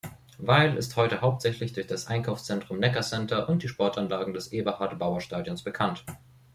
Weil ist heute hauptsächlich durch das Einkaufszentrum Neckar-Center und die Sportanlagen des Eberhard-Bauer-Stadions bekannt.